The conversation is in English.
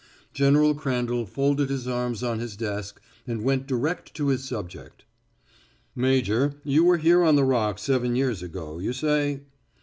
General Crandall folded his arms on his desk and went direct to his subject: "Major, you were here on the Rock seven years ago, you say?"